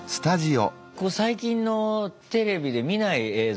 最近のテレビで見ない映像だったね。